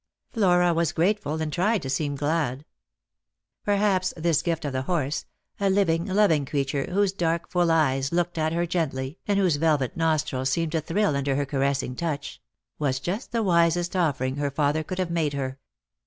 Flora was grateful, and tried to seem glad. Perhaps this gift of the horse — a living, loving creature, whose dark full eyes looked at her gently, and whose velvet nostrils seemed to thrill under her caressing touch — was just the wisest otoring her father could have made her.